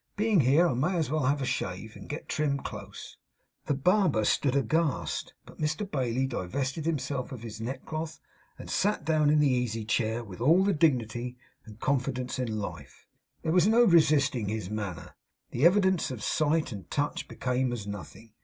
Being here, I may as well have a shave, and get trimmed close.' The barber stood aghast; but Mr Bailey divested himself of his neck cloth, and sat down in the easy shaving chair with all the dignity and confidence in life. There was no resisting his manner. The evidence of sight and touch became as nothing.